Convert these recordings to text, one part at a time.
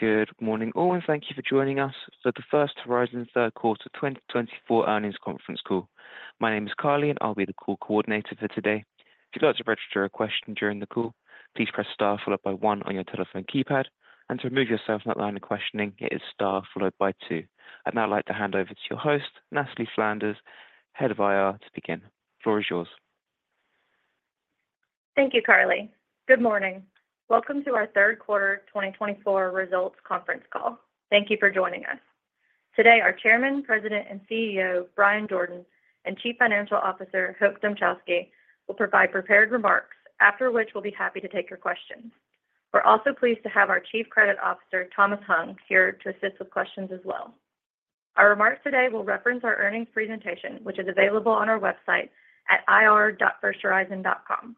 Good morning, all, and thank you for joining us for the First Horizon third quarter 2024 earnings conference call. My name is Carly, and I'll be the call coordinator for today. If you'd like to register a question during the call, please press Star followed by One on your telephone keypad, and to remove yourself from that line of questioning, it is Star followed by Two. I'd now like to hand over to your host, Natalie Flanders, Head of IR, to begin. The floor is yours. Thank you, Carly. Good morning. Welcome to our third quarter 2024 results conference call. Thank you for joining us. Today, our Chairman, President, and CEO, Bryan Jordan, and Chief Financial Officer, Hope Dmuchowski, will provide prepared remarks, after which we'll be happy to take your questions. We're also pleased to have our Chief Credit Officer, Thomas Hung, here to assist with questions as well. Our remarks today will reference our earnings presentation, which is available on our website at ir.firsthorizon.com.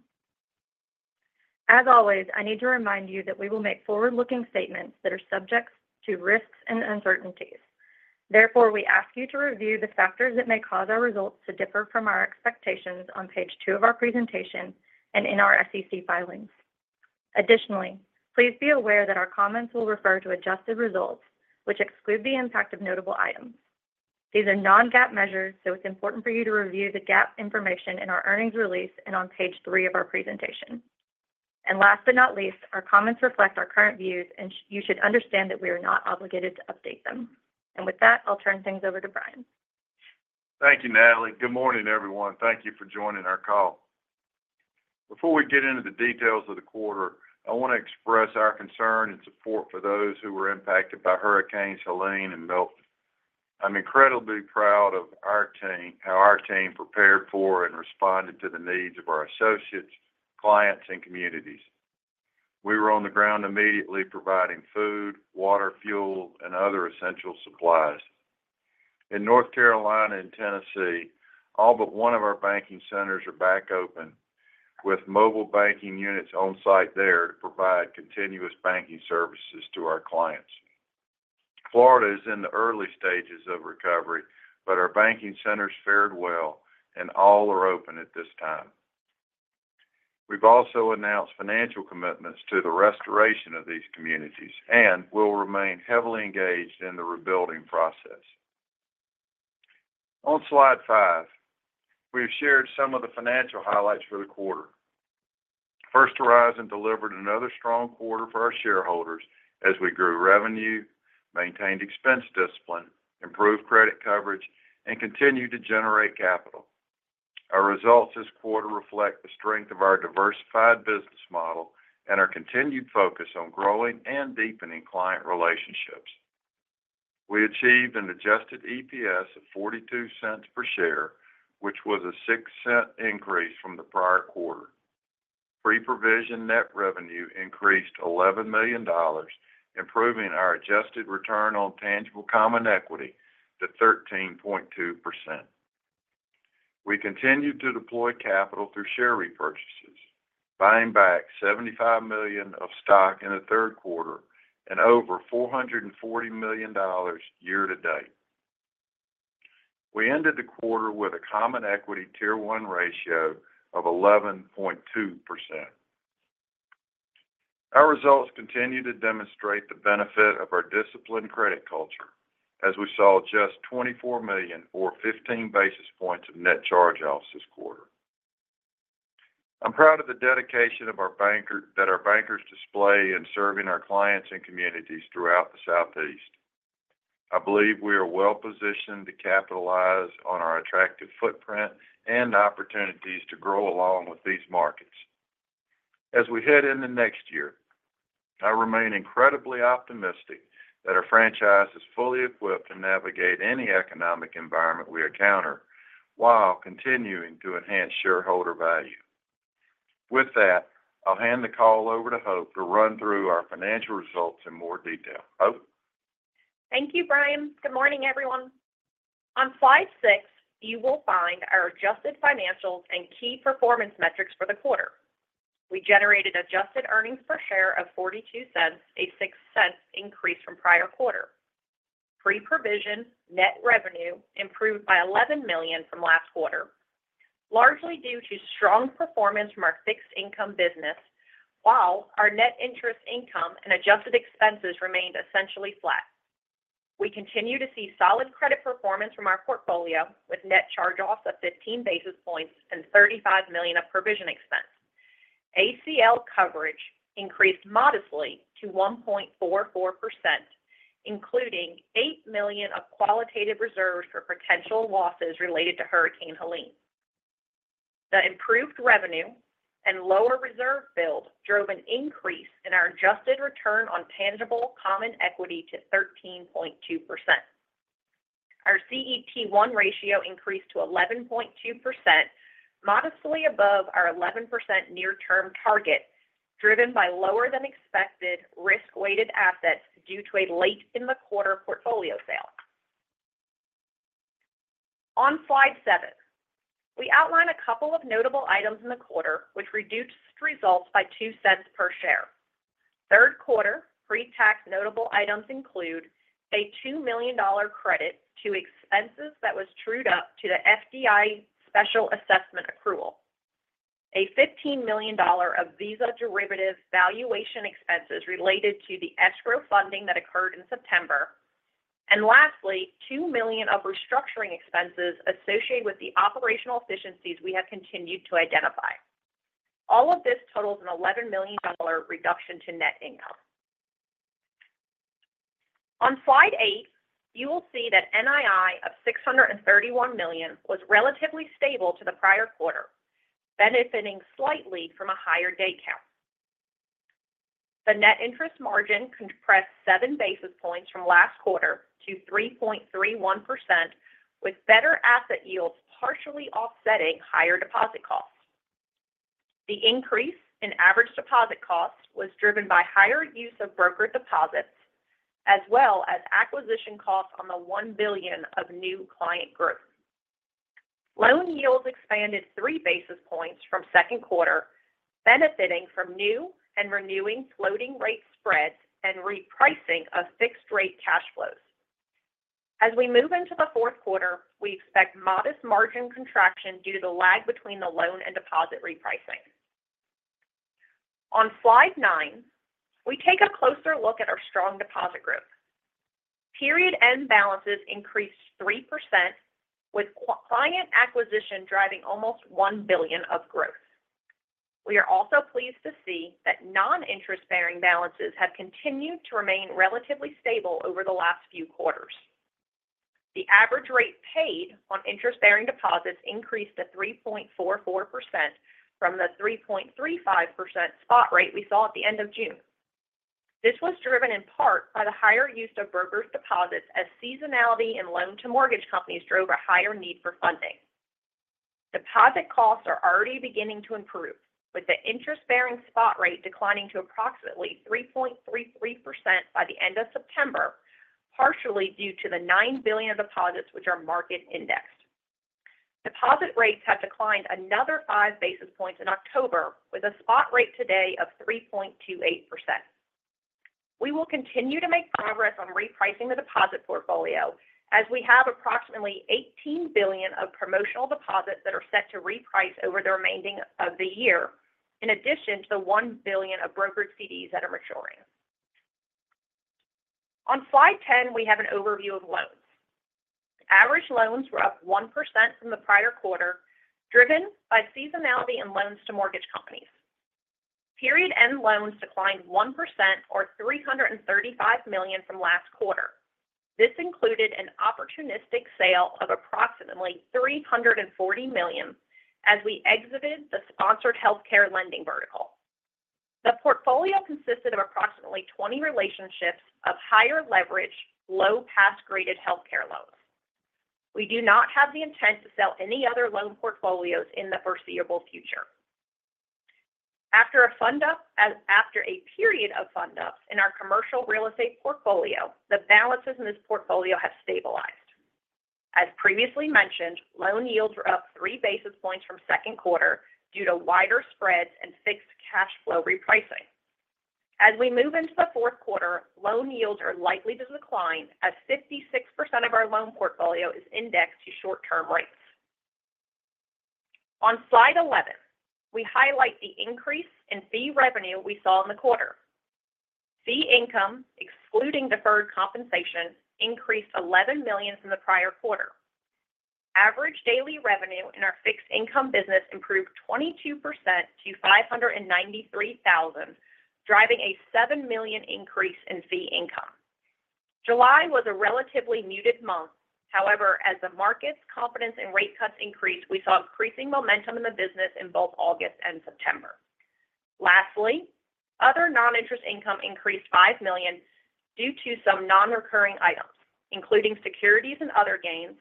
As always, I need to remind you that we will make forward-looking statements that are subject to risks and uncertainties. Therefore, we ask you to review the factors that may cause our results to differ from our expectations on page two of our presentation and in our SEC filings. Additionally, please be aware that our comments will refer to adjusted results, which exclude the impact of notable items. These are non-GAAP measures, so it's important for you to review the GAAP information in our earnings release and on page three of our presentation. And last but not least, our comments reflect our current views, and you should understand that we are not obligated to update them. And with that, I'll turn things over to Bryan. Thank you, Natalie. Good morning, everyone. Thank you for joining our call. Before we get into the details of the quarter, I want to express our concern and support for those who were impacted by Hurricanes Helene and Milton. I'm incredibly proud of our team, how our team prepared for and responded to the needs of our associates, clients, and communities. We were on the ground immediately, providing food, water, fuel, and other essential supplies. In North Carolina and Tennessee, all but one of our banking centers are back open, with mobile banking units on site there to provide continuous banking services to our clients. Florida is in the early stages of recovery, but our banking centers fared well and all are open at this time. We've also announced financial commitments to the restoration of these communities and will remain heavily engaged in the rebuilding process. On slide five, we have shared some of the financial highlights for the quarter. First Horizon delivered another strong quarter for our shareholders as we grew revenue, maintained expense discipline, improved credit coverage, and continued to generate capital. Our results this quarter reflect the strength of our diversified business model and our continued focus on growing and deepening client relationships. We achieved an adjusted EPS of $0.42 per share, which was a $0.06 increase from the prior quarter. Pre-provision net revenue increased $11 million, improving our adjusted return on tangible common equity to 13.2%. We continued to deploy capital through share repurchases, buying back $75 million of stock in the third quarter and over $440 million year to date. We ended the quarter with a Common Equity Tier 1 ratio of 11.2%. Our results continue to demonstrate the benefit of our disciplined credit culture, as we saw just $24 million or 15 basis points of net charge-offs this quarter. I'm proud of the dedication that our bankers display in serving our clients and communities throughout the Southeast. I believe we are well positioned to capitalize on our attractive footprint and opportunities to grow along with these markets. As we head into next year, I remain incredibly optimistic that our franchise is fully equipped to navigate any economic environment we encounter while continuing to enhance shareholder value. With that, I'll hand the call over to Hope to run through our financial results in more detail. Hope? Thank you, Bryan. Good morning, everyone. On slide six, you will find our adjusted financials and key performance metrics for the quarter. We generated adjusted earnings per share of $0.42, a $0.06 increase from prior quarter. Pre-provision net revenue improved by $11 million from last quarter, largely due to strong performance from our fixed income business, while our net interest income and adjusted expenses remained essentially flat. We continue to see solid credit performance from our portfolio, with net charge-offs of 15 basis points and $35 million of provision expense. ACL coverage increased modestly to 1.44%, including $8 million of qualitative reserves for potential losses related to Hurricane Helene. The improved revenue and lower reserve build drove an increase in our adjusted return on tangible common equity to 13.2%. Our CET1 ratio increased to 11.2%, modestly above our 11% near term target, driven by lower than expected risk-weighted assets due to a late in the quarter portfolio sale. On slide seven, we outline a couple of notable items in the quarter, which reduced results by $0.02 per share. Third quarter pre-tax notable items include a $2 million credit to expenses that was trued up to the FDIC special assessment accrual, a $15 million of Visa derivative valuation expenses related to the escrow funding that occurred in September, and lastly, $2 million of restructuring expenses associated with the operational efficiencies we have continued to identify. All of this totals an $11 million reduction to net income. On slide eight, you will see that NII of $631 million was relatively stable to the prior quarter, benefiting slightly from a higher day count. The net interest margin compressed seven basis points from last quarter to 3.31%, with better asset yields partially offsetting higher deposit costs. The increase in average deposit costs was driven by higher use of brokered deposits, as well as acquisition costs on the $1 billion of new client growth. Loan yields expanded three basis points from second quarter, benefiting from new and renewing floating rate spreads and repricing of fixed rate cash flows. As we move into the fourth quarter, we expect modest margin contraction due to the lag between the loan and deposit repricing. On slide nine, we take a closer look at our strong deposit growth. Period-end balances increased 3%, with client acquisition driving almost $1 billion of growth. We are also pleased to see that non-interest-bearing balances have continued to remain relatively stable over the last few quarters. The average rate paid on interest-bearing deposits increased to 3.44% from the 3.35% spot rate we saw at the end of June. This was driven in part by the higher use of brokered deposits as seasonality and loans to mortgage companies drove a higher need for funding. Deposit costs are already beginning to improve, with the interest-bearing spot rate declining to approximately 3.33% by the end of September, partially due to the $9 billion of deposits which are market-indexed. Deposit rates have declined another five basis points in October, with a spot rate today of 3.28%. We will continue to make progress on repricing the deposit portfolio as we have approximately $18 billion of promotional deposits that are set to reprice over the remaining of the year, in addition to the $1 billion of brokered CDs that are maturing. On slide 10, we have an overview of loans. Average loans were up 1% from the prior quarter, driven by seasonality and loans to mortgage companies. Period end loans declined 1% or $335 million from last quarter. This included an opportunistic sale of approximately $340 million as we exited the sponsored healthcare lending vertical. The portfolio consisted of approximately 20 relationships of higher leverage, low pass-graded healthcare loans. We do not have the intent to sell any other loan portfolios in the foreseeable future. After a period of run-ups in our commercial real estate portfolio, the balances in this portfolio have stabilized. As previously mentioned, loan yields were up three basis points from second quarter due to wider spreads and fixed cash flow repricing. As we move into the fourth quarter, loan yields are likely to decline as 56% of our loan portfolio is indexed to short-term rates. On slide 11, we highlight the increase in fee revenue we saw in the quarter. Fee income, excluding deferred compensation, increased $11 million from the prior quarter. Average daily revenue in our fixed income business improved 22% to $593,000, driving a $7 million increase in fee income. July was a relatively muted month. However, as the market's confidence in rate cuts increased, we saw increasing momentum in the business in both August and September. Lastly, other non-interest income increased $5 million due to some non-recurring items, including securities and other gains,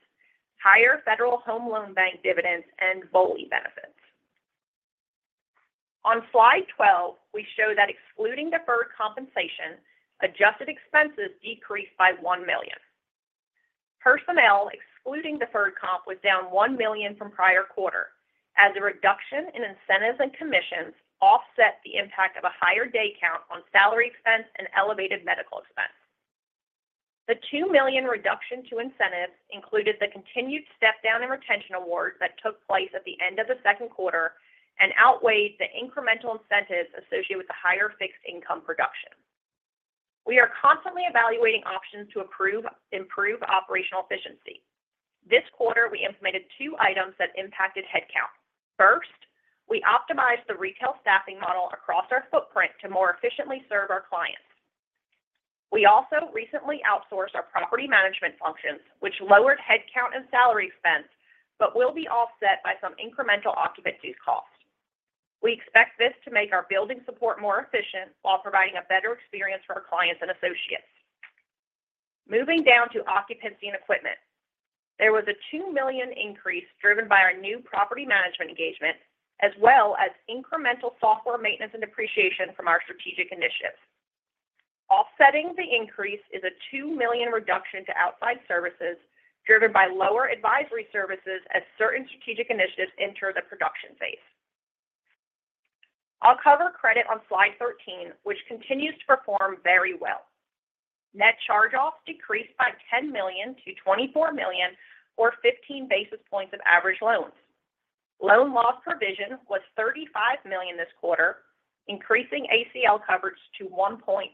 higher Federal Home Loan Bank dividends and BOLI benefits. On slide 12, we show that excluding deferred compensation, adjusted expenses decreased by $1 million. Personnel, excluding deferred comp, was down $1 million from prior quarter, as a reduction in incentives and commissions offset the impact of a higher day count on salary expense and elevated medical expense. The $2 million reduction to incentives included the continued step down in retention awards that took place at the end of the second quarter and outweighed the incremental incentives associated with the higher fixed income production. We are constantly evaluating options to improve operational efficiency. This quarter, we implemented two items that impacted headcount. First, we optimized the retail staffing model across our footprint to more efficiently serve our clients. We also recently outsourced our property management functions, which lowered headcount and salary expense, but will be offset by some incremental occupancy costs. We expect this to make our building support more efficient while providing a better experience for our clients and associates. Moving down to occupancy and equipment, there was a $2 million increase driven by our new property management engagement, as well as incremental software maintenance and depreciation from our strategic initiatives. Offsetting the increase is a $2 million reduction to outside services, driven by lower advisory services as certain strategic initiatives enter the production phase. I'll cover credit on slide 13, which continues to perform very well. Net charge-offs decreased by $10 million to $24 million, or 15 basis points of average loans. Loan loss provision was $35 million this quarter, increasing ACL coverage to 1.44%.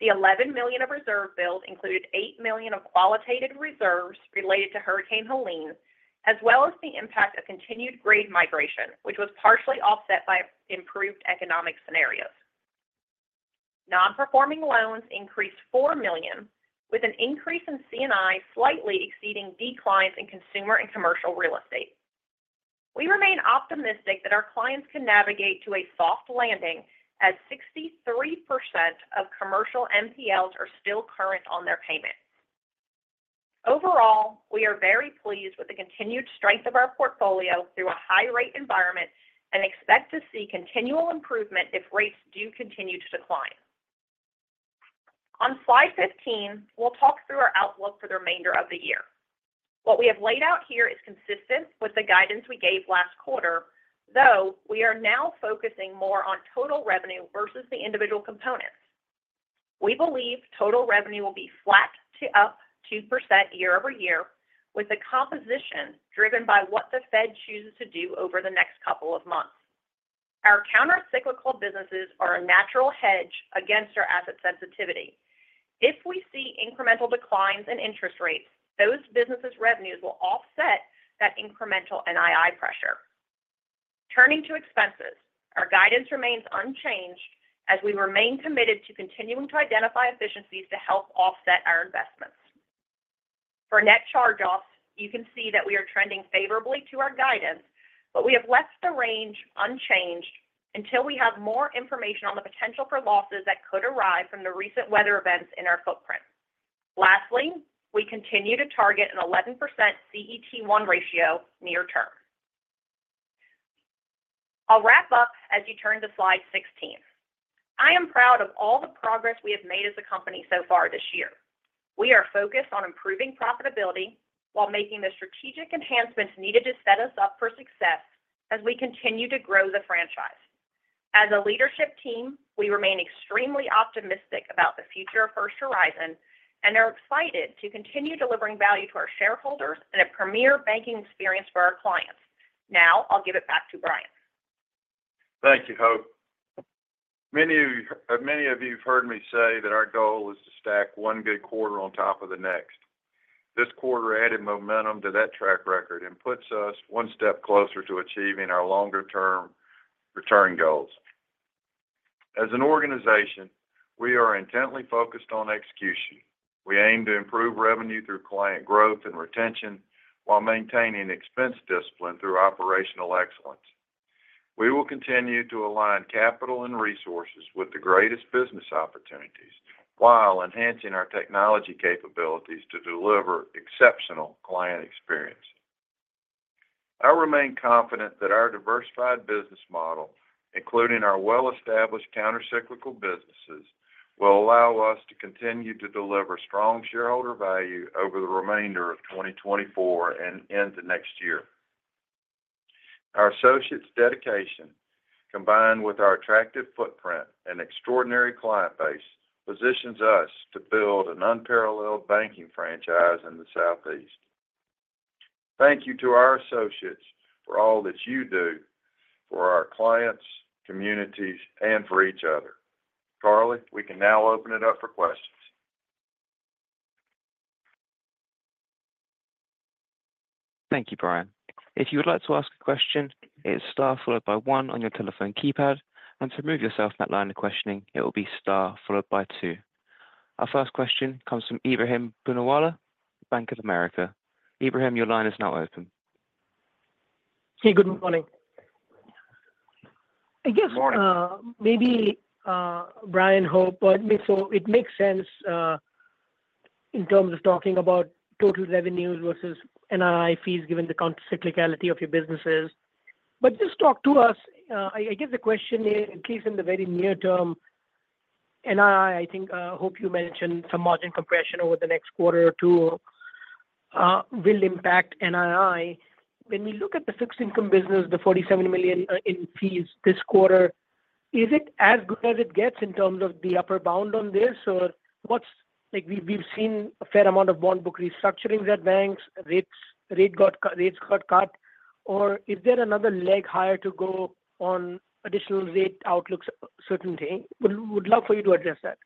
The 11 million of reserve build included 8 million of qualitative reserves related to Hurricane Helene, as well as the impact of continued grade migration, which was partially offset by improved economic scenarios. Non-performing loans increased four million, with an increase in C&I slightly exceeding declines in consumer and commercial real estate. We remain optimistic that our clients can navigate to a soft landing, as 63% of commercial NPLs are still current on their payments. Overall, we are very pleased with the continued strength of our portfolio through a high rate environment and expect to see continual improvement if rates do continue to decline. On slide 15, we'll talk through our outlook for the remainder of the year. What we have laid out here is consistent with the guidance we gave last quarter, though we are now focusing more on total revenue versus the individual components. We believe total revenue will be flat to up 2% year over year, with the composition driven by what the Fed chooses to do over the next couple of months. Our countercyclical businesses are a natural hedge against our asset sensitivity. If we see incremental declines in interest rates, those businesses' revenues will offset that incremental NII pressure. Turning to expenses, our guidance remains unchanged as we remain committed to continuing to identify efficiencies to help offset our investments. For net charge-offs, you can see that we are trending favorably to our guidance, but we have left the range unchanged until we have more information on the potential for losses that could arise from the recent weather events in our footprint. Lastly, we continue to target an 11% CET1 ratio near term. I'll wrap up as you turn to slide 16. I am proud of all the progress we have made as a company so far this year. We are focused on improving profitability while making the strategic enhancements needed to set us up for success as we continue to grow the franchise. As a leadership team, we remain extremely optimistic about the future of First Horizon and are excited to continue delivering value to our shareholders and a premier banking experience for our clients. Now, I'll give it back to Bryan. Thank you, Hope. Many of you have heard me say that our goal is to stack one good quarter on top of the next. This quarter added momentum to that track record and puts us one step closer to achieving our longer term return goals. As an organization, we are intently focused on execution. We aim to improve revenue through client growth and retention while maintaining expense discipline through operational excellence. We will continue to align capital and resources with the greatest business opportunities, while enhancing our technology capabilities to deliver exceptional client experience. I remain confident that our diversified business model, including our well-established countercyclical businesses, will allow us to continue to deliver strong shareholder value over the remainder of 2024 and into next year. Our associates' dedication, combined with our attractive footprint and extraordinary client base, positions us to build an unparalleled banking franchise in the Southeast. Thank you to our associates for all that you do for our clients, communities, and for each other. Carly, we can now open it up for questions. Thank you, Bryan. If you would like to ask a question, it is star followed by one on your telephone keypad, and to remove yourself from that line of questioning, it will be star followed by two. Our first question comes from Ebrahim Poonawala, Bank of America. Ebrahim, your line is now open. Hey, good morning. Good morning. I guess, maybe, Bryan, Hope, but so it makes sense in terms of talking about total revenues versus NII fees, given the countercyclicality of your businesses. But just talk to us. I guess the question is, at least in the very near term, NII. I think Hope you mentioned some margin compression over the next quarter or two will impact NII. When we look at the fixed income business, the $47 million in fees this quarter, is it as good as it gets in terms of the upper bound on this? Or what's... Like, we've seen a fair amount of bond book restructuring that banks rates got cut, rates got cut. Or is there another leg higher to go on additional rate outlook certainty? Would love for you to address that.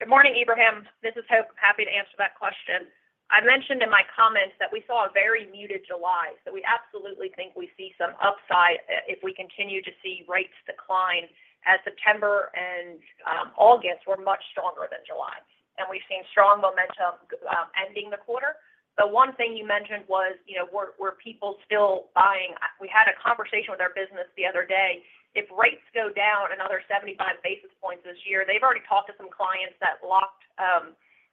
Good morning, Ebrahim. This is Hope. I'm happy to answer that question. I mentioned in my comments that we saw a very muted July, so we absolutely think we see some upside if we continue to see rates decline as September and August were much stronger than July, and we've seen strong momentum ending the quarter. The one thing you mentioned was, you know, were people still buying? We had a conversation with our business the other day. If rates go down another 75 basis points this year, they've already talked to some clients that locked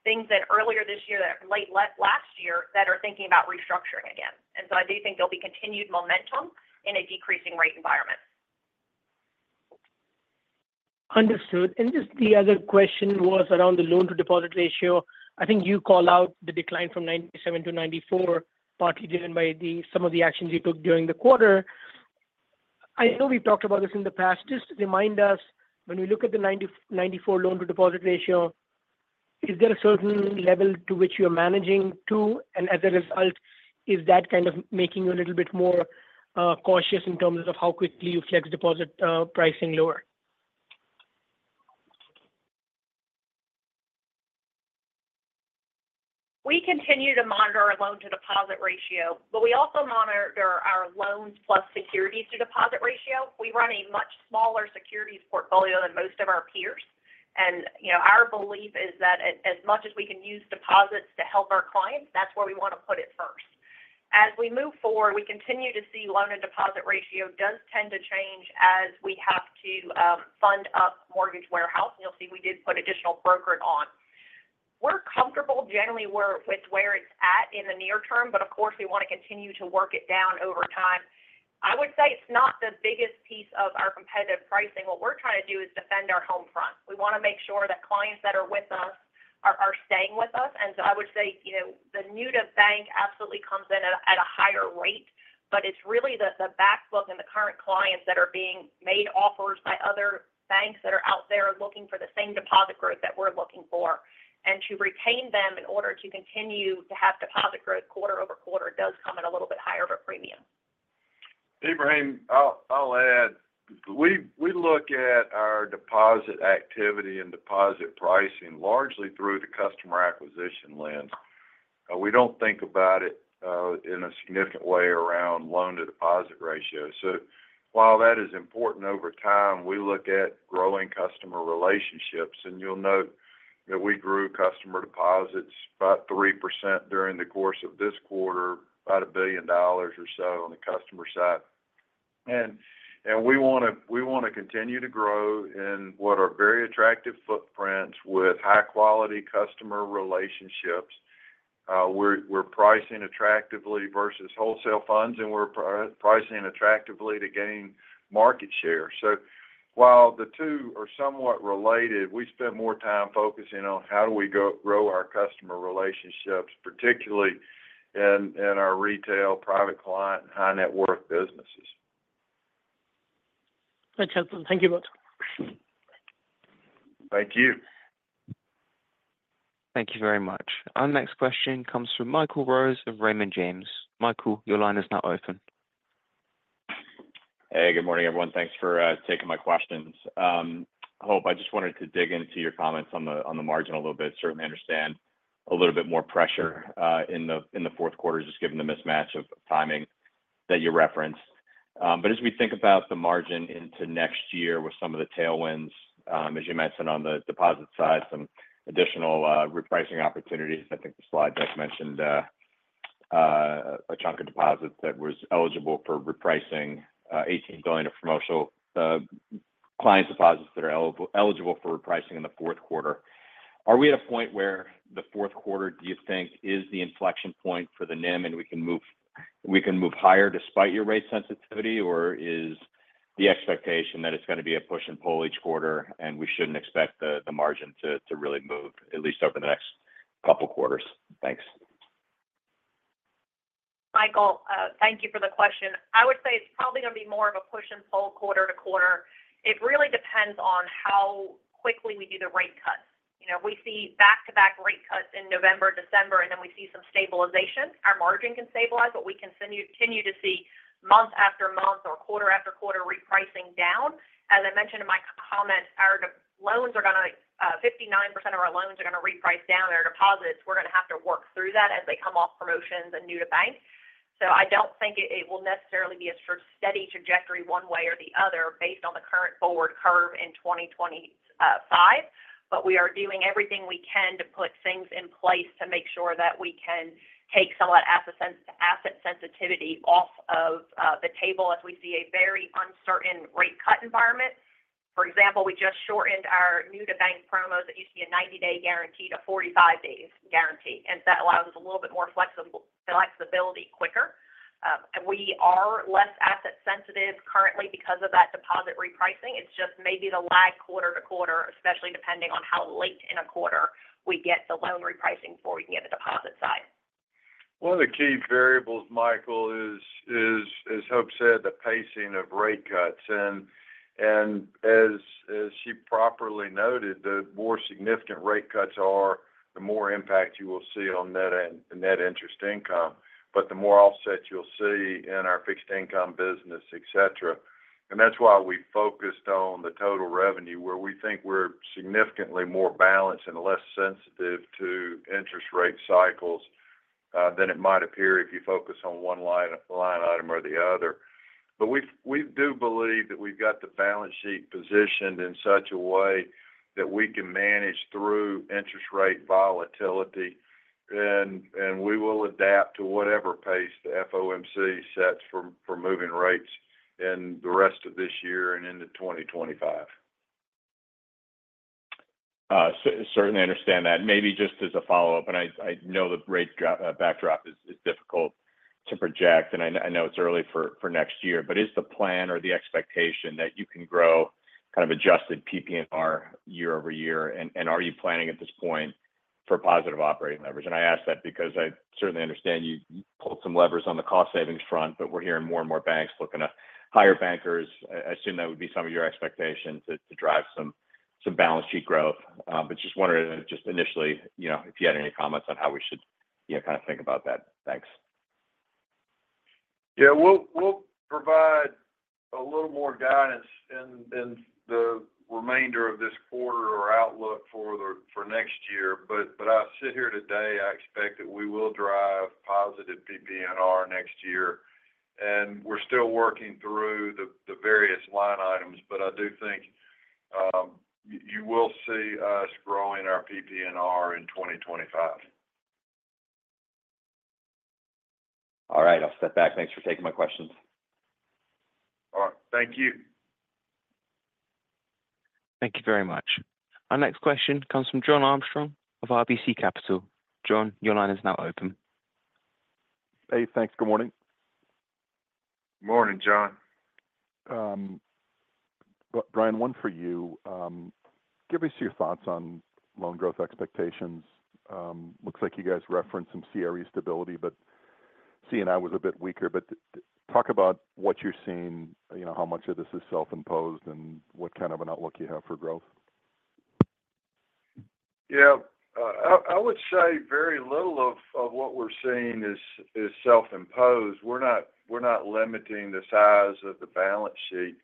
things in earlier this year, late last year, that are thinking about restructuring again. And so I do think there'll be continued momentum in a decreasing rate environment. ...Understood. And just the other question was around the loan to deposit ratio. I think you call out the decline from 97 to 94, partly driven by some of the actions you took during the quarter. I know we've talked about this in the past. Just remind us, when we look at the 94 loan to deposit ratio, is there a certain level to which you're managing to, and as a result, is that kind of making you a little bit more cautious in terms of how quickly you flex deposit pricing lower? We continue to monitor our loan to deposit ratio, but we also monitor our loans plus securities to deposit ratio. We run a much smaller securities portfolio than most of our peers. And, you know, our belief is that as much as we can use deposits to help our clients, that's where we want to put it first. As we move forward, we continue to see loan and deposit ratio does tend to change as we have to fund up mortgage warehouse. And you'll see we did put additional brokered on. We're comfortable generally with where it's at in the near term, but of course, we want to continue to work it down over time. I would say it's not the biggest piece of our competitive pricing. What we're trying to do is defend our home front. We want to make sure that clients that are with us are staying with us. And so I would say, you know, the new to bank absolutely comes in at a higher rate, but it's really the back book and the current clients that are being made offers by other banks that are out there looking for the same deposit growth that we're looking for. And to retain them in order to continue to have deposit growth quarter over quarter does come at a little bit higher of a premium. Ebrahim, I'll add. We look at our deposit activity and deposit pricing largely through the customer acquisition lens. We don't think about it in a significant way around loan to deposit ratio. So while that is important over time, we look at growing customer relationships, and you'll note that we grew customer deposits about 3% during the course of this quarter, about $1 billion or so on the customer side, and we want to continue to grow in what are very attractive footprints with high-quality customer relationships. We're pricing attractively versus wholesale funds, and we're pricing attractively to gain market share. So while the two are somewhat related, we spend more time focusing on how do we grow our customer relationships, particularly in our retail, private client, and high-net-worth businesses. Thanks, gentlemen. Thank you both. Thank you. Thank you very much. Our next question comes from Michael Rose of Raymond James. Michael, your line is now open. Hey, good morning, everyone. Thanks for taking my questions. Hope, I just wanted to dig into your comments on the margin a little bit. Certainly understand a little bit more pressure in the fourth quarter, just given the mismatch of timing that you referenced. But as we think about the margin into next year with some of the tailwinds, as you mentioned on the deposit side, some additional repricing opportunities. I think the slide just mentioned a chunk of deposits that was eligible for repricing, 18 billion of promotional client deposits that are eligible for repricing in the fourth quarter. Are we at a point where the fourth quarter, do you think, is the inflection point for the NIM, and we can move higher despite your rate sensitivity? Or is the expectation that it's going to be a push and pull each quarter, and we shouldn't expect the margin to really move, at least over the next couple quarters? Thanks. Michael, thank you for the question. I would say it's probably going to be more of a push and pull quarter to quarter. It really depends on how quickly we do the rate cuts. You know, if we see back-to-back rate cuts in November, December, and then we see some stabilization, our margin can stabilize, but we continue to see month after month or quarter after quarter repricing down. As I mentioned in my comments, 59% of our loans are going to reprice down. Their deposits. We're gonna have to work through that as they come off promotions and new to bank. So I don't think it will necessarily be a sort of steady trajectory one way or the other based on the current forward curve in 2025. But we are doing everything we can to put things in place to make sure that we can take some of that asset sensitivity off of the table as we see a very uncertain rate cut environment. For example, we just shortened our new to bank promos that used to be a 90-day guarantee to 45-day guarantee, and that allows us a little bit more flexible, flexibility quicker. We are less asset sensitive currently because of that deposit repricing. It's just maybe the lag quarter to quarter, especially depending on how late in a quarter we get the loan repricing before we can get the deposit side. One of the key variables, Michael, is, as Hope said, the pacing of rate cuts. And as she properly noted, the more significant rate cuts are, the more impact you will see on net interest income, but the more offset you'll see in our fixed income business, et cetera. And that's why we focused on the total revenue, where we think we're significantly more balanced and less sensitive to interest rate cycles than it might appear if you focus on one line item or the other. But we do believe that we've got the balance sheet positioned in such a way that we can manage through interest rate volatility, and we will adapt to whatever pace the FOMC sets for moving rates in the rest of this year and into 2025.... Certainly understand that. Maybe just as a follow-up, and I know the rate drop backdrop is difficult to project, and I know it's early for next year, but is the plan or the expectation that you can grow kind of adjusted PPNR year over year? And are you planning at this point for positive operating leverage? And I ask that because I certainly understand you pulled some levers on the cost savings front, but we're hearing more and more banks looking to hire bankers. I assume that would be some of your expectations to drive some balance sheet growth. But just wondering, just initially, you know, if you had any comments on how we should, you know, kind of think about that. Thanks. Yeah. We'll provide a little more guidance in the remainder of this quarter or outlook for the next year, but I sit here today, I expect that we will drive positive PPNR next year, and we're still working through the various line items, but I do think you will see us growing our PPNR in 2025. All right, I'll step back. Thanks for taking my questions. All right. Thank you. Thank you very much. Our next question comes from Jon Arfstrom of RBC Capital. John, your line is now open. Hey, thanks. Good morning. Morning, John. Bryan, one for you. Give us your thoughts on loan growth expectations. Looks like you guys referenced some CRE stability, but C&I was a bit weaker, but talk about what you're seeing, you know, how much of this is self-imposed, and what kind of an outlook you have for growth. Yeah. I would say very little of what we're seeing is self-imposed. We're not limiting the size of the balance sheet.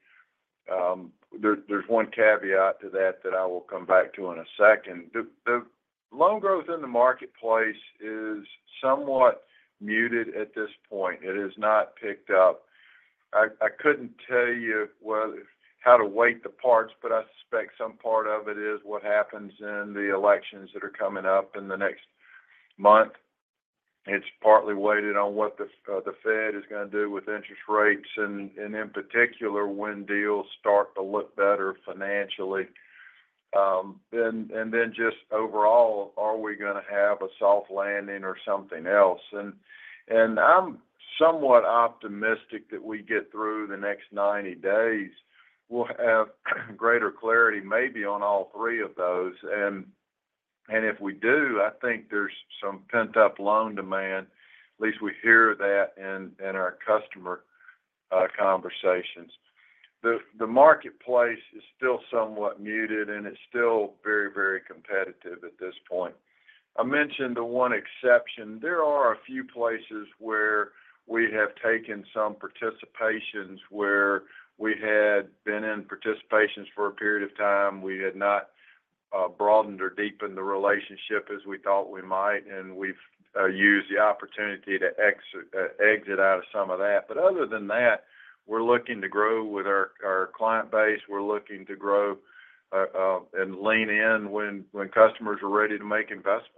There's one caveat to that that I will come back to in a second. The loan growth in the marketplace is somewhat muted at this point. It has not picked up. I couldn't tell you whether how to weight the parts, but I suspect some part of it is what happens in the elections that are coming up in the next month. It's partly weighted on what the Fed is gonna do with interest rates and in particular, when deals start to look better financially. And then just overall, are we gonna have a soft landing or something else? I'm somewhat optimistic that we get through the next 90 days, we'll have greater clarity, maybe on all three of those. If we do, I think there's some pent-up loan demand, at least we hear that in our customer conversations. The marketplace is still somewhat muted, and it's still very, very competitive at this point. I mentioned the one exception. There are a few places where we have taken some participations, where we had been in participations for a period of time. We had not broadened or deepened the relationship as we thought we might, and we've used the opportunity to exit out of some of that. But other than that, we're looking to grow with our client base. We're looking to grow and lean in when customers are ready to make investments.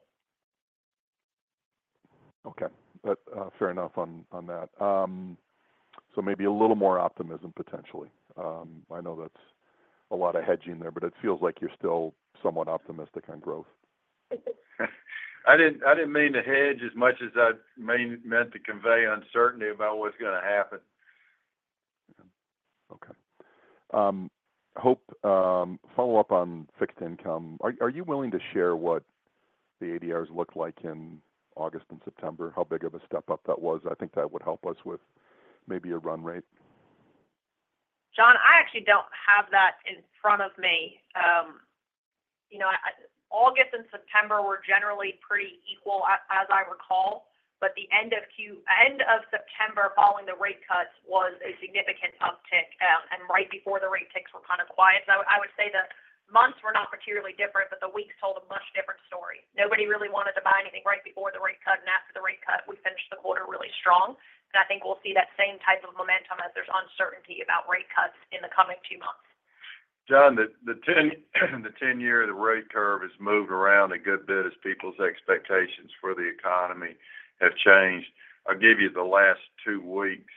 Okay. That's fair enough on that. So maybe a little more optimism, potentially. I know that's a lot of hedging there, but it feels like you're still somewhat optimistic on growth. I didn't mean to hedge as much as I meant to convey uncertainty about what's gonna happen. Okay. Hope, follow up on fixed income. Are you willing to share what the ADRs looked like in August and September? How big of a step up that was? I think that would help us with maybe a run rate. John, I actually don't have that in front of me. You know, August and September were generally pretty equal, as I recall, but the end of September, following the rate cuts, was a significant uptick, and right before the rate cuts were kind of quiet. So I would say the months were not materially different, but the weeks told a much different story. Nobody really wanted to buy anything right before the rate cut, and after the rate cut, we finished the quarter really strong, and I think we'll see that same type of momentum as there's uncertainty about rate cuts in the coming two months. John, the ten-year rate curve has moved around a good bit as people's expectations for the economy have changed. I'll give you the last two weeks.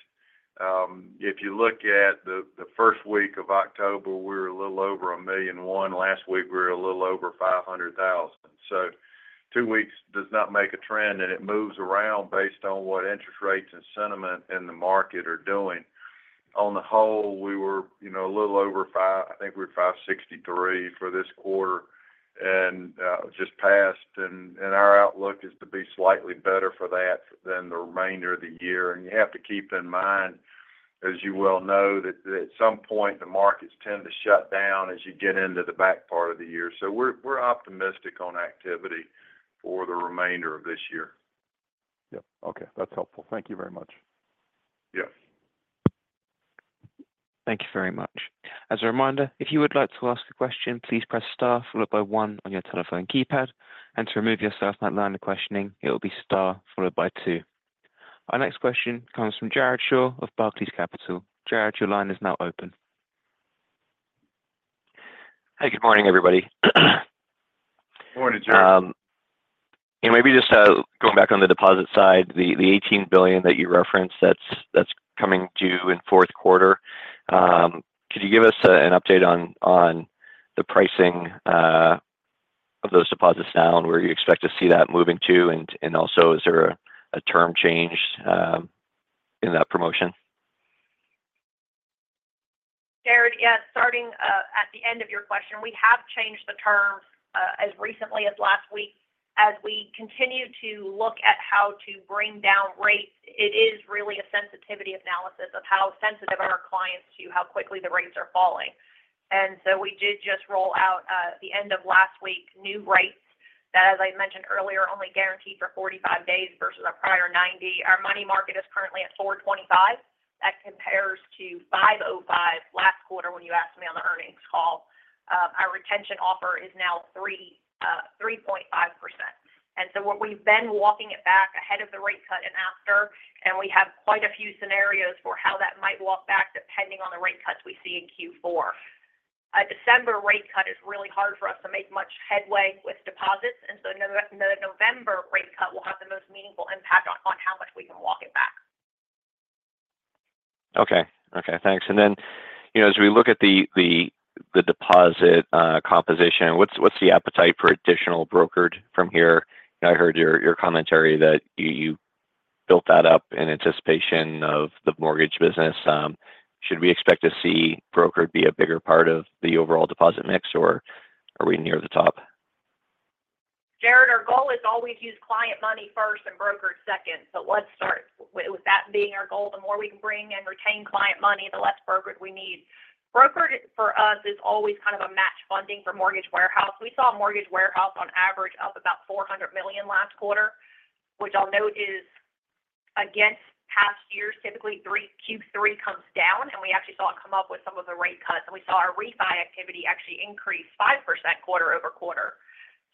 If you look at the first week of October, we were a little over a million and one. Last week, we were a little over 500,000. So two weeks does not make a trend, and it moves around based on what interest rates and sentiment in the market are doing. On the whole, we were, you know, a little over five. I think we were 563 for this quarter, and just passed, and our outlook is to be slightly better for that than the remainder of the year. You have to keep in mind, as you well know, that at some point, the markets tend to shut down as you get into the back part of the year. So we're optimistic on activity for the remainder of this year. Yep. Okay, that's helpful. Thank you very much. Yes. Thank you very much. As a reminder, if you would like to ask a question, please press star followed by one on your telephone keypad, and to remove yourself from that line of questioning, it will be star followed by two. Our next question comes from Jared Shaw of Barclays Capital. Jared, your line is now open. Hey, good morning, everybody. Morning, Jared.... and maybe just going back on the deposit side, the $18 billion that you referenced, that's coming due in fourth quarter. Could you give us an update on the pricing of those deposits now and where you expect to see that moving to? And also, is there a term change in that promotion? Jared, yes, starting at the end of your question, we have changed the terms as recently as last week. As we continue to look at how to bring down rates, it is really a sensitivity analysis of how sensitive are our clients to how quickly the rates are falling. And so we did just roll out at the end of last week, new rates that, as I mentioned earlier, only guaranteed for 45 days versus our prior 90. Our money market is currently at 4.25%. That compares to 5.05% last quarter when you asked me on the earnings call. Our retention offer is now 3.5%. What we've been walking it back ahead of the rate cut and after, and we have quite a few scenarios for how that might walk back, depending on the rate cuts we see in Q4. A December rate cut is really hard for us to make much headway with deposits, and so a November rate cut will have the most meaningful impact on how much we can walk it back. Okay. Okay, thanks. And then, you know, as we look at the deposit composition, what's the appetite for additional brokered from here? I heard your commentary that you built that up in anticipation of the mortgage business. Should we expect to see brokered be a bigger part of the overall deposit mix, or are we near the top? Jared, our goal is always use client money first and brokered second. So let's start with that being our goal. The more we can bring and retain client money, the less brokered we need. Brokered for us is always kind of a match funding for mortgage warehouse. We saw mortgage warehouse on average up about $400 million last quarter, which I'll note is against past years. Typically, Q3 comes down, and we actually saw it come up with some of the rate cuts, and we saw our refi activity actually increase 5% quarter over quarter.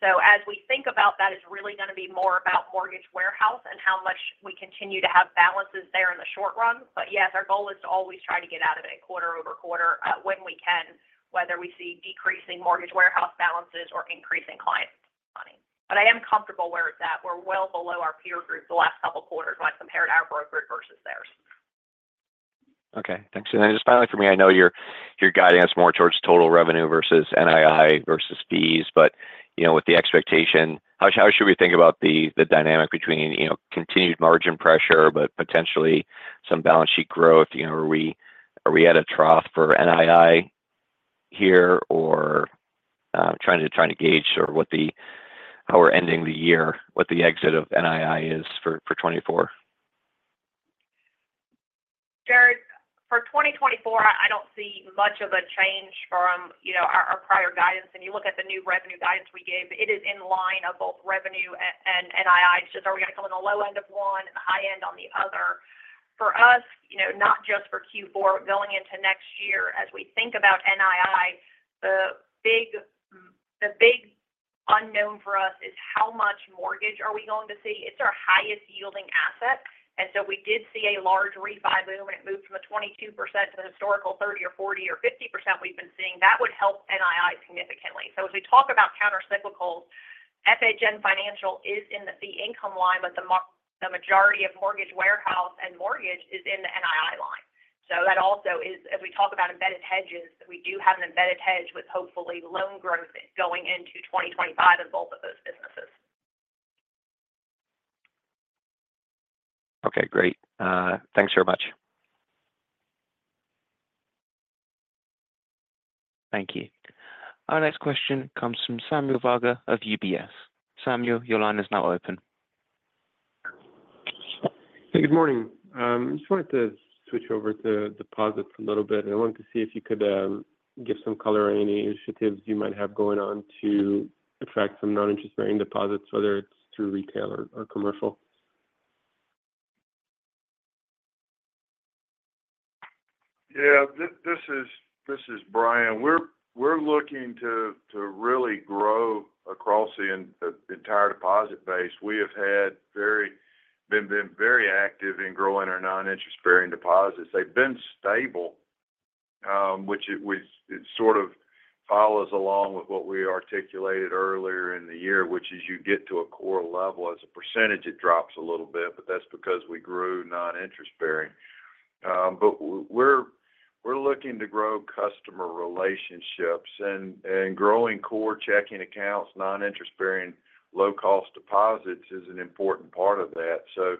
So as we think about that, it's really going to be more about mortgage warehouse and how much we continue to have balances there in the short run. But yes, our goal is to always try to get out of it quarter over quarter, when we can, whether we see decreasing mortgage warehouse balances or increasing client money. But I am comfortable where it's at. We're well below our peer group the last couple of quarters when I compared our brokered versus theirs. Okay, thanks. And then just finally, for me, I know your, your guidance more towards total revenue versus NII versus fees, but, you know, with the expectation, how, how should we think about the, the dynamic between, you know, continued margin pressure, but potentially some balance sheet growth? You know, are we, are we at a trough for NII here or... I'm trying to, trying to gauge sort of what the- how we're ending the year, what the exit of NII is for, for 2024. Jared, for 2024, I don't see much of a change from, you know, our, our prior guidance. When you look at the new revenue guidance we gave, it is in line of both revenue and, and NII. It's just, are we going to come on the low end of one and the high end on the other? For us, you know, not just for Q4, going into next year, as we think about NII, the big, the big unknown for us is how much mortgage are we going to see? It's our highest-yielding asset, and so we did see a large refi boom, and it moved from a 22% to the historical 30%, 40%, or 50% we've been seeing. That would help NII significantly. So as we talk about countercyclicals, FHN Financial is in the fee income line, but the majority of mortgage warehouse and mortgage is in the NII line. So that also is, as we talk about embedded hedges, we do have an embedded hedge with hopefully loan growth going into 2025 in both of those businesses. Okay, great. Thanks very much. Thank you. Our next question comes from Samuel Varga of UBS. Samuel, your line is now open. Hey, good morning. I just wanted to switch over to deposits a little bit, and I wanted to see if you could give some color on any initiatives you might have going on to attract some non-interest bearing deposits, whether it's through retail or commercial. Yeah. This is Bryan. We're looking to really grow across the entire deposit base. We have been very active in growing our non-interest bearing deposits. They've been stable, which sort of follows along with what we articulated earlier in the year, which is you get to a core level. As a percentage, it drops a little bit, but that's because we grew non-interest bearing. But we're looking to grow customer relationships and growing core checking accounts, non-interest bearing, low-cost deposits is an important part of that. So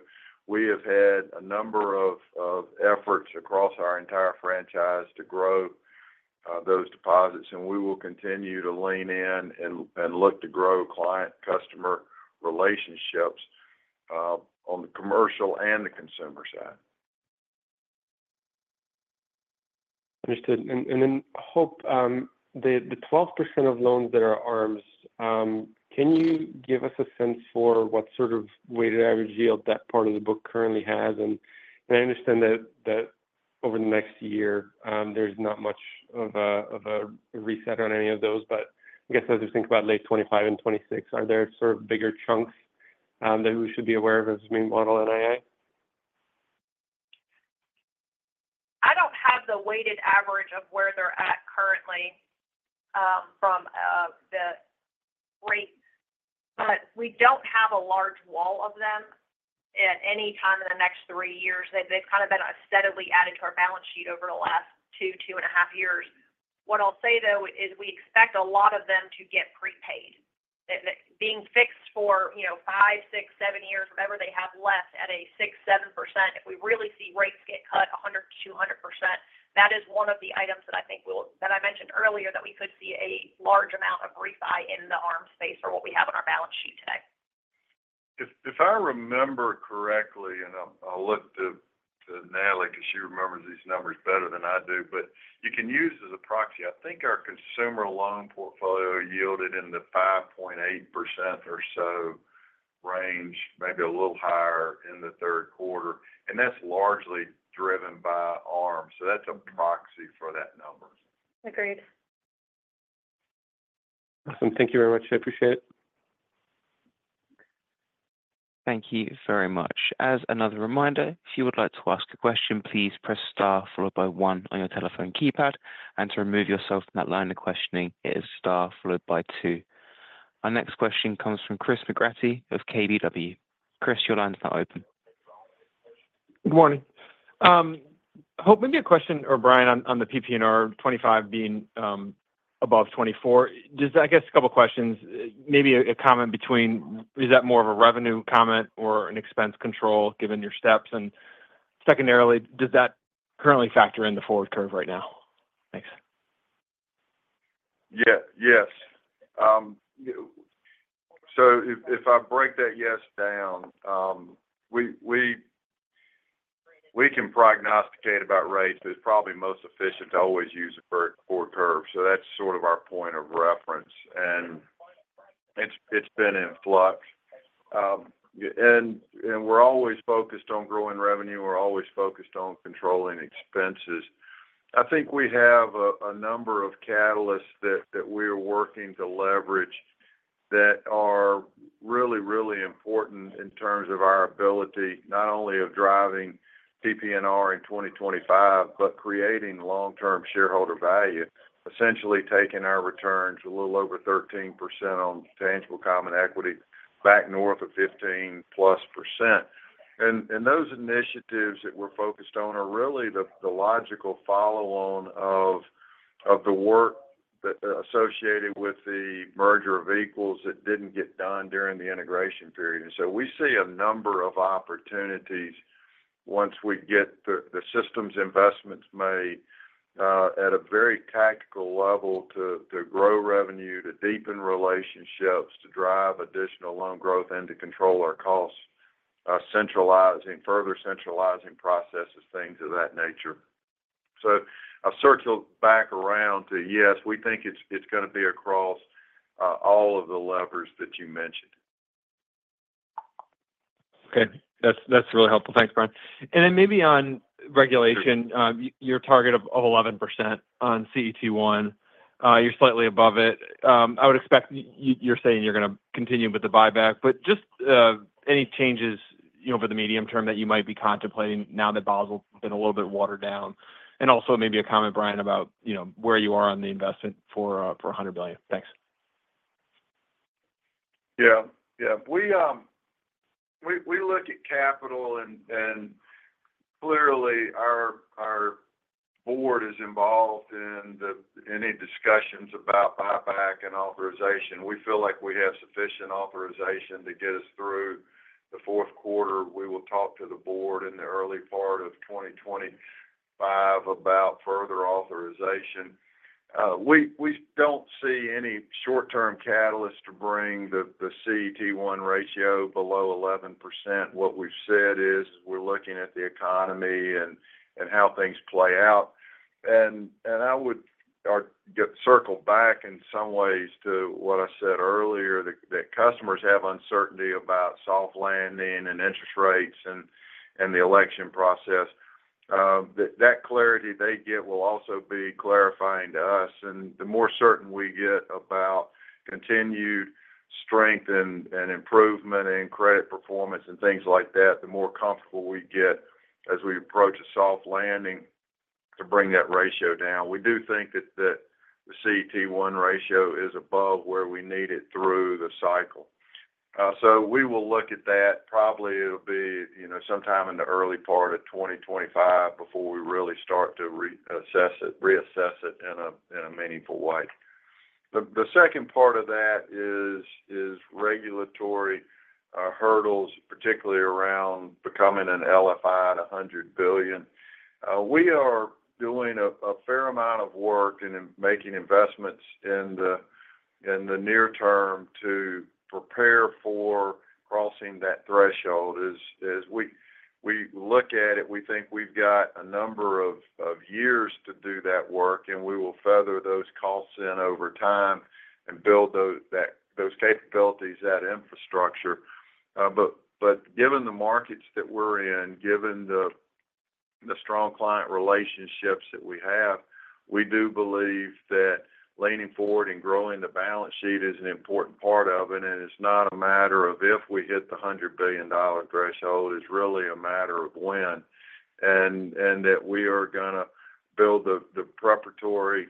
we have had a number of efforts across our entire franchise to grow those deposits, and we will continue to lean in and look to grow client-customer relationships on the commercial and the consumer side. Understood. And then, Hope, the 12% of loans that are ARMs, can you give us a sense for what sort of weighted average yield that part of the book currently has? And I understand that over the next year, there's not much of a reset on any of those, but I guess, as we think about late 2025 and 2026, are there sort of bigger chunks that we should be aware of as we model NII? a weighted average of where they're at currently, from the rate. But we don't have a large wall of them at any time in the next three years. They've kind of been steadily added to our balance sheet over the last two and a half years. What I'll say, though, is we expect a lot of them to get prepaid. That being fixed for, you know, five, six, seven years, whatever they have left at a 6%, 7%. If we really see rates get cut 100 to 200 basis points, that is one of the items that I think that I mentioned earlier, that we could see a large amount of refi in the ARM space or what we have on our balance sheet today. If I remember correctly, and I'll look to Natalie, because she remembers these numbers better than I do, but you can use as a proxy. I think our consumer loan portfolio yielded in the 5.8% or so range, maybe a little higher in the third quarter, and that's largely driven by ARM, so that's a proxy for that number. Agreed. Awesome. Thank you very much. I appreciate it. Thank you very much. As another reminder, if you would like to ask a question, please press Star followed by one on your telephone keypad, and to remove yourself from that line of questioning, it is Star followed by two. Our next question comes from Chris McGratty of KBW. Chris, your line is now open. Good morning. Hope, maybe a question or Bryan, on the PPNR 25 being above 24. Just, I guess, a couple of questions. Maybe a comment between, is that more of a revenue comment or an expense control, given your steps? And secondarily, does that currently factor in the forward curve right now? Thanks. Yeah. Yes. So if I break that yes down, we can prognosticate about rates, but it's probably most efficient to always use it for forward curve. So that's sort of our point of reference, and it's been in flux. And we're always focused on growing revenue. We're always focused on controlling expenses. I think we have a number of catalysts that we're working to leverage that are really, really important in terms of our ability, not only of driving PPNR in 2025, but creating long-term shareholder value. Essentially taking our returns a little over 13% on tangible common equity back north of 15% plus. And those initiatives that we're focused on are really the logical follow-on of the work that associated with the merger of equals that didn't get done during the integration period. So we see a number of opportunities once we get the systems investments made, at a very tactical level to grow revenue, to deepen relationships, to drive additional loan growth, and to control our costs, centralizing further centralizing processes, things of that nature. So I'll circle back around to, yes, we think it's gonna be across all of the levers that you mentioned. Okay. That's really helpful. Thanks, Bryan. And then maybe on regulation, your target of 11% on CET1, you're slightly above it. I would expect you, you're saying you're gonna continue with the buyback, but just any changes, you know, for the medium term that you might be contemplating now that Basel been a little bit watered down? And also maybe a comment, Bryan, about, you know, where you are on the investment for a 100 billion. Thanks. Yeah. Yeah. We look at capital and clearly our board is involved in any discussions about buyback and authorization. We feel like we have sufficient authorization to get us through the fourth quarter. We will talk to the board in the early part of 2025 about further authorization. We don't see any short-term catalyst to bring the CET1 ratio below 11%. What we've said is, we're looking at the economy and how things play out. I would circle back in some ways to what I said earlier, that customers have uncertainty about soft landing and interest rates and the election process. That clarity they get will also be clarifying to us. And the more certain we get about continued strength and improvement in credit performance and things like that, the more comfortable we get as we approach a soft landing to bring that ratio down. We do think that the CET1 ratio is above where we need it through the cycle. So we will look at that. Probably it'll be, you know, sometime in the early part of 2025 before we really start to reassess it in a meaningful way. The second part of that is regulatory hurdles, particularly around becoming an LFI at 100 billion. We are doing a fair amount of work and making investments in the near term to prepare for crossing that threshold. As we look at it, we think we've got a number of years to do that work, and we will feather those costs in over time and build those capabilities, that infrastructure, but given the markets that we're in, given the strong client relationships that we have. We do believe that leaning forward and growing the balance sheet is an important part of it, and it's not a matter of if we hit the $100 billion threshold, it's really a matter of when. That we are gonna build the preparatory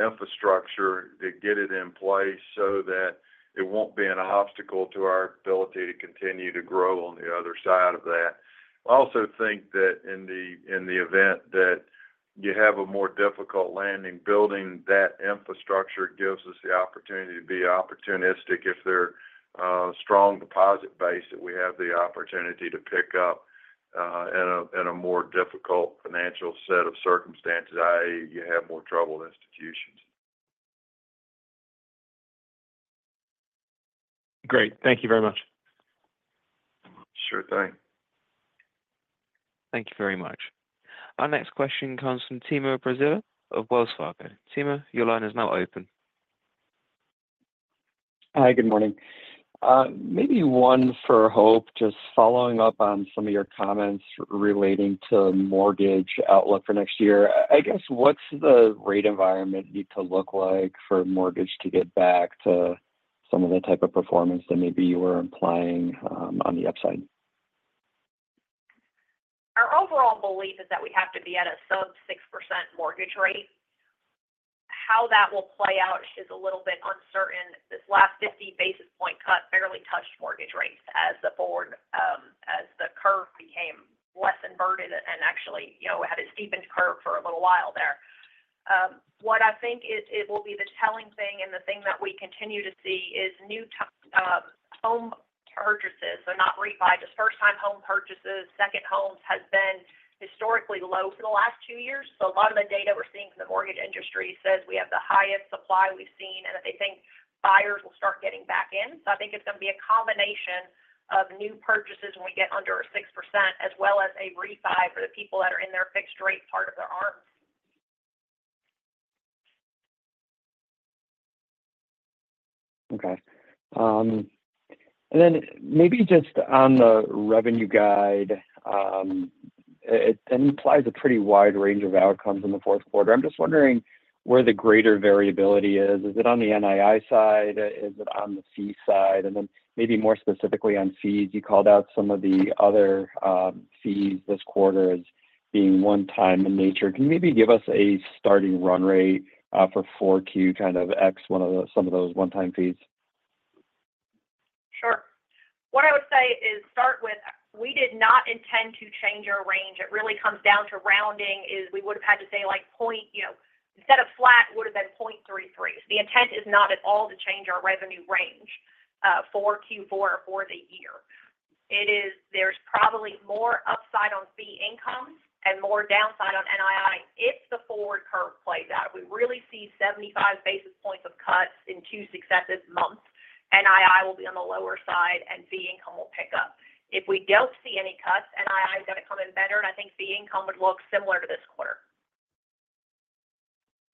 infrastructure to get it in place so that it won't be an obstacle to our ability to continue to grow on the other side of that. I also think that in the event that you have a more difficult landing, building that infrastructure gives us the opportunity to be opportunistic. If there is a strong deposit base that we have the opportunity to pick up in a more difficult financial set of circumstances, i.e., you have more troubled institutions. Great. Thank you very much. Sure thing. Thank you very much. Our next question comes from Timur Braziler of Wells Fargo. Timo, your line is now open. Hi, good morning. Maybe one for Hope, just following up on some of your comments relating to mortgage outlook for next year. I guess, what's the rate environment need to look like for mortgage to get back to some of the type of performance that maybe you were implying on the upside? Our overall belief is that we have to be at a sub 6% mortgage rate. How that will play out is a little bit uncertain. This last 50 basis point cut barely touched mortgage rates as the board, as the curve became less inverted and actually, you know, had a steepened curve for a little while there. What I think is, it will be the telling thing and the thing that we continue to see is new home purchases, so not refi, just first time home purchases, second homes, has been historically low for the last two years, so a lot of the data we're seeing from the mortgage industry says we have the highest supply we've seen, and that they think buyers will start getting back in. So I think it's gonna be a combination of new purchases when we get under a 6%, as well as a refi for the people that are in their fixed rate part of their ARM. Okay. And then maybe just on the revenue guide, it implies a pretty wide range of outcomes in the fourth quarter. I'm just wondering where the greater variability is. Is it on the NII side? Is it on the fee side? And then maybe more specifically on fees, you called out some of the other fees this quarter as being one-time in nature. Can you maybe give us a starting run rate for 4Q, kind of X some of those one-time fees? Sure. What I would say is start with, we did not intend to change our range. It really comes down to rounding, is we would have had to say, like, point... You know, instead of flat, it would have been point three three. So the intent is not at all to change our revenue range for Q4 or for the year. It is. There's probably more upside on fee income and more downside on NII. If the forward curve plays out, if we really see 75 basis points of cuts in two successive months, NII will be on the lower side and fee income will pick up. If we don't see any cuts, NII is gonna come in better, and I think fee income would look similar to this quarter.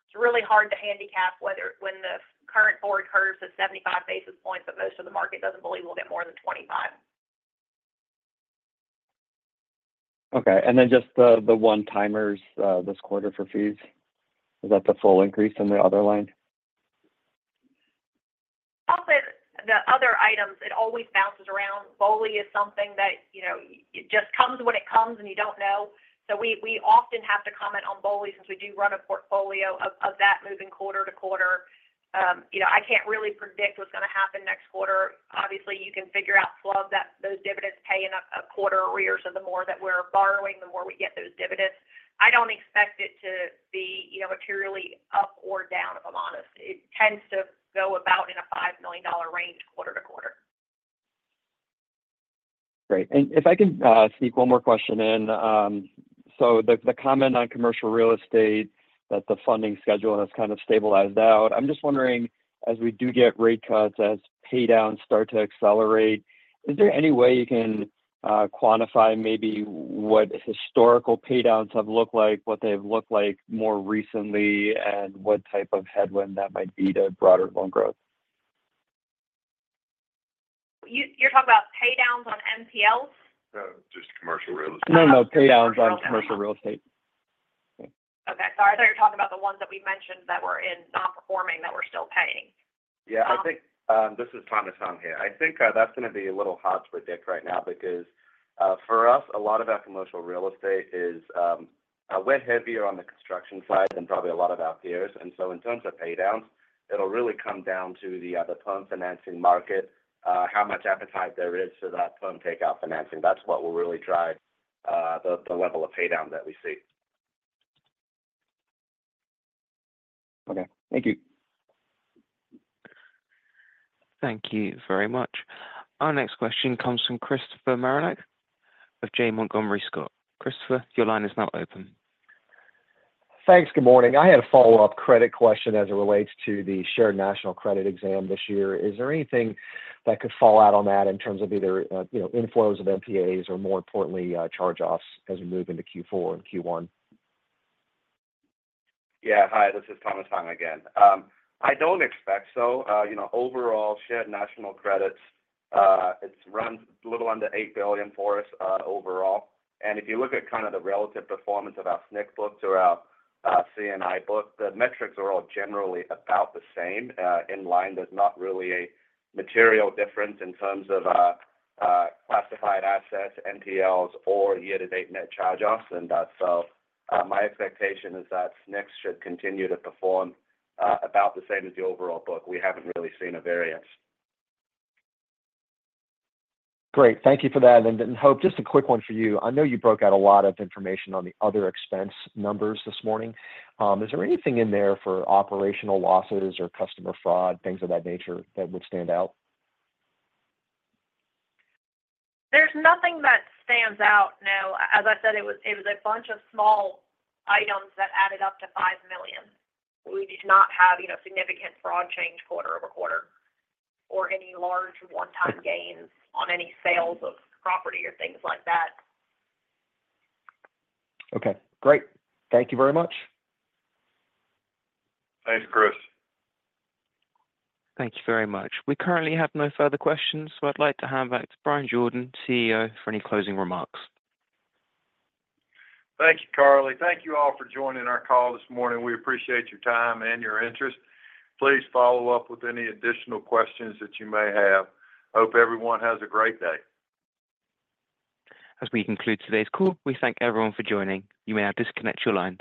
It's really hard to handicap when the current forward curves at 75 basis points, but most of the market doesn't believe we'll get more than 25. Okay. And then just the one timers, this quarter for fees, is that the full increase in the other line? Often, the other items, it always bounces around. BOLI is something that, you know, it just comes when it comes, and you don't know. So we often have to comment on BOLI since we do run a portfolio of that moving quarter to quarter. You know, I can't really predict what's gonna happen next quarter. Obviously, you can figure out flow of that, those dividends paying a quarter a year, so the more that we're borrowing, the more we get those dividends. I don't expect it to be, you know, materially up or down, if I'm honest. It tends to go about in a $5 million range quarter to quarter. Great. And if I can sneak one more question in. So the comment on commercial real estate, that the funding schedule has kind of stabilized out. I'm just wondering, as we do get rate cuts, as paydowns start to accelerate, is there any way you can quantify maybe what historical paydowns have looked like, what they've looked like more recently, and what type of headwind that might be to broader loan growth? You, you're talking about paydowns on NPLs? No, just commercial real estate. No, no, paydowns on commercial real estate. Okay. Sorry, I thought you were talking about the ones that we mentioned that were in non-performing that we're still paying. Yeah, I think. This is Thomas Hung here. I think that's gonna be a little hard to predict right now because for us, a lot of our commercial real estate is a way heavier on the construction side than probably a lot of our peers. And so in terms of paydowns, it'll really come down to the term financing market, how much appetite there is for that term takeout financing. That's what will really drive the level of paydown that we see. Okay. Thank you. Thank you very much. Our next question comes from Christopher Marinac of Janney Montgomery Scott. Christopher, your line is now open. Thanks. Good morning. I had a follow-up credit question as it relates to the Shared National Credit exam this year. Is there anything that could fall out on that in terms of either, you know, inflows of NPAs, or more importantly, charge-offs as we move into Q4 and Q1? Yeah. Hi, this is Thomas Hung again. I don't expect so. You know, overall, shared national credits, it's runs a little under $8 billion for us, overall. And if you look at kind of the relative performance of our SNC book to our C&I book, the metrics are all generally about the same, in line. There's not really a material difference in terms of classified assets, NPLs, or year-to-date net charge-offs. And so my expectation is that SNC should continue to perform about the same as the overall book. We haven't really seen a variance. Great. Thank you for that. And then, Hope, just a quick one for you. I know you broke out a lot of information on the other expense numbers this morning. Is there anything in there for operational losses or customer fraud, things of that nature, that would stand out? There's nothing that stands out, no. As I said, it was a bunch of small items that added up to $5 million. We did not have, you know, significant fraud change quarter over quarter or any large one-time gains on any sales of property or things like that. Okay, great. Thank you very much. Thanks, Chris. Thank you very much. We currently have no further questions, so I'd like to hand back to Bryan Jordan, CEO, for any closing remarks. Thank you, Carly. Thank you all for joining our call this morning. We appreciate your time and your interest. Please follow up with any additional questions that you may have. Hope everyone has a great day. As we conclude today's call, we thank everyone for joining. You may now disconnect your line.